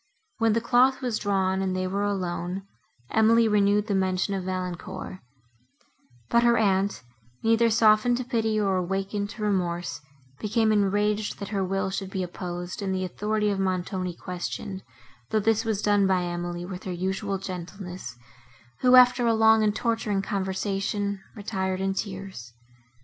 When the cloth was drawn and they were alone, Emily renewed the mention of Valancourt; but her aunt, neither softened to pity, nor awakened to remorse, became enraged, that her will should be opposed, and the authority of Montoni questioned, though this was done by Emily with her usual gentleness, who, after a long, and torturing conversation, retired in tears.